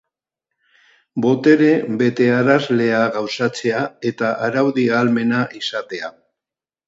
Botere betearazlea gauzatzea eta araudi-ahalmena izatea.